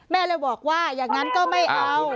แม่เลยบอกว่าอย่างนั้นก็ไม่เอา